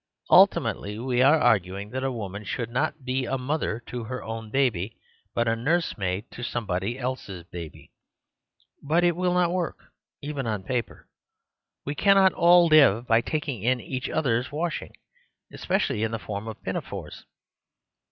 Ultimately, we are arguing that a woman should not be a mother to her own baby, but a nursemaid to somebody else's baby. But it will not work, even on paper. We cannot all live by taking in each other's washing, especially in the form of pinafores.